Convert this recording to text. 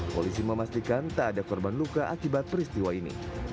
polisi memastikan tak ada korban luka akibat peristiwa ini